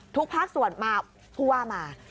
ภาคส่วนมาผู้ว่ามา